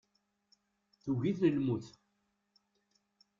Tugi-ten lmut.